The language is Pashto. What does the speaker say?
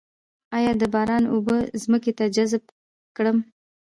آیا د باران اوبه ځمکې ته جذب کړم؟